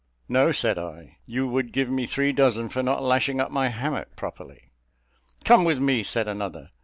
"No," said I, "you would give me three dozen for not lashing up my hammock properly." "Come with me," said another.